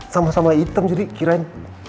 sama sama hitam jadi kirain